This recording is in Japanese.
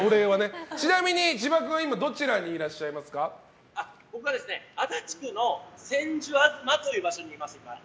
ちなみに千葉君は僕は足立区の千住東という場所にいます。